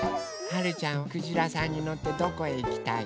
はるちゃんはくじらさんにのってどこへいきたい？